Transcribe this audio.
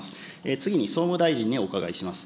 次に総務大臣にお伺いします。